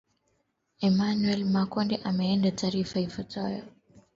emanuel makundi ameandaa taarifa ifuatayo